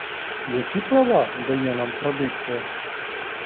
Які права дає нам традиція?